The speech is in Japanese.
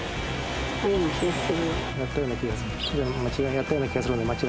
やったような気がする？